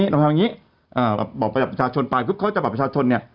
เราทำอย่างงี้อ่าบอกประชาชนไปเขาจะบอกประชาชนเนี่ย